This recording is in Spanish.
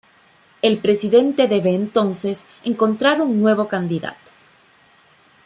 El presidente debe entonces encontrar un nuevo candidato.